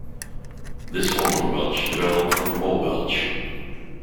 This form of Welsh developed from Old Welsh.